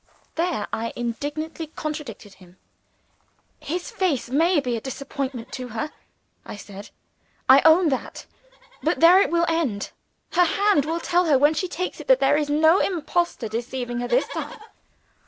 There I indignantly contradicted him. "His face may be a disappointment to her," I said "I own that. But there it will end. Her hand will tell her, when he takes it, that there is no impostor deceiving her this time."